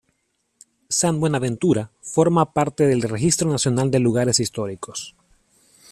San Buenaventura forma parte del Registro Nacional de Lugares Históricos.